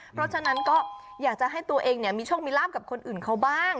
เพราะฉะนั้นก็อยากจะให้ตัวเองมีโชคมีลาบกับคนอื่นเขาบ้าง